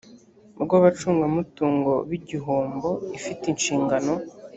rw abacungamutungo b igihombo ifite inshingano